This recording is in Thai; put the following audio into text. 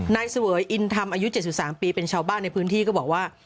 เสวยอินธรรมอายุ๗๓ปีเป็นชาวบ้านในพื้นที่ก็บอกว่า